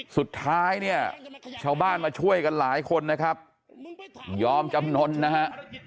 สุดท้ายเนี่ยชาวบ้านมาช่วยกันหลายคนนะครับยอมจำนวนนะฮะ